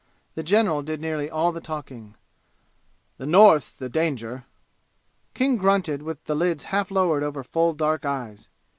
The general did nearly all the talking. "The North's the danger." King grunted with the lids half lowered over full dark eyes.